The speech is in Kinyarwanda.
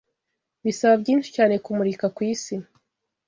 Bisaba byinshi cyane kumurika kwisi